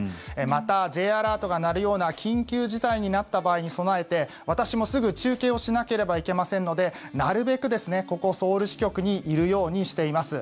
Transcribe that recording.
また、Ｊアラートが鳴るような緊急事態になった場合に備えて私も、すぐ中継をしなければいけませんのでなるべく、ここソウル支局にいるようにしています。